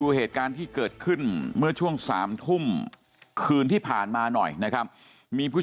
เหตุการณ์ที่เกิดขึ้นเมื่อช่วง๓ทุ่มคืนที่ผ่านมาหน่อยนะครับมีผู้